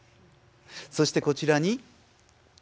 そしてこちらに。